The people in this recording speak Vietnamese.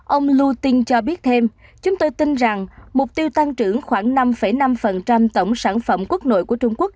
ông lutin cho biết thêm chúng tôi tin rằng mục tiêu tăng trưởng khoảng năm năm tổng sản phẩm quốc nội của trung quốc